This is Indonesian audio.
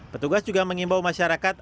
petugas juga mengimbau masyarakat